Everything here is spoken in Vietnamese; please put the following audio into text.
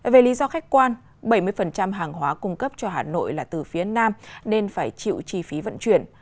về lý do khách quan bảy mươi hàng hóa cung cấp cho hà nội là từ phía nam nên phải chịu chi phí vận chuyển